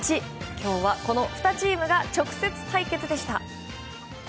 今日はこの２チームが直接対決でした。